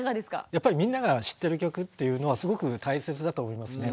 やっぱりみんなが知ってる曲というのはすごく大切だと思いますね。